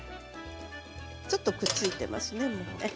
ちょっと、くっついてますね。